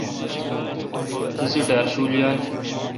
تسی ڈار شول یال۔